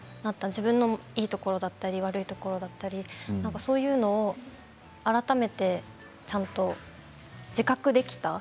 自分のいいところだったり悪いところだったりなんかそういうのを改めてちゃんと自覚できた。